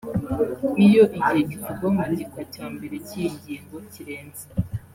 Iyo igihe kivugwa mu gika cya mbere cy’iyi ngingo kirenze